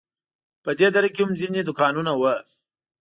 په دې دره کې هم ځینې دوکانونه وو.